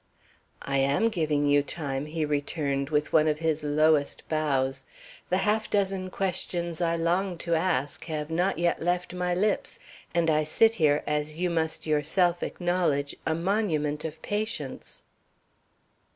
"I am giving you time," he returned with one of his lowest bows. "The half dozen questions I long to ask have not yet left my lips, and I sit here, as you must yourself acknowledge, a monument of patience."